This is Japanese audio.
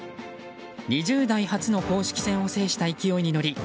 ２０代初の公式戦を制した勢いに乗り